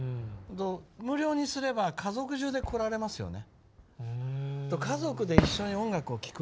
無料にすれば家族じゅうで来られますよね。